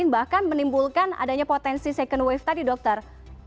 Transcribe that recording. bahkan menimbulkan adanya potensi second wave tadi dokter